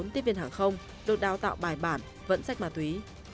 bốn tiếp viên hàng không được đào tạo bài bản vẫn sách ma túy